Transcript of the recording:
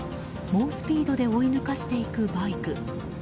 猛スピードで追い抜かしていくバイク。